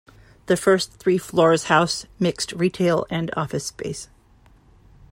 The first three floors house mixed retail and office space.